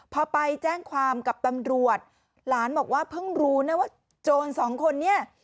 พอไปแจ้งความกับตำรวจหลานบอกว่าเพิ่งรู้นะว่าโจรสองคนเนี่ย